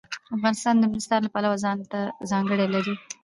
افغانستان د نورستان د پلوه ځانته ځانګړتیا لري.